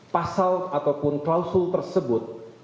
pasal ataupun klausul tersebut